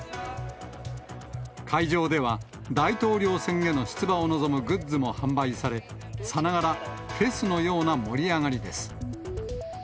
会場では、大統領選への出馬を臨むグッズも販売され、さながらフェスのような盛り上がりです。